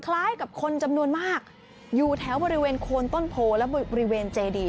คล้ายกับคนจำนวนมากอยู่แถวบริเวณโคนต้นโพและบริเวณเจดี